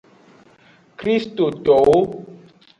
Kristitowo.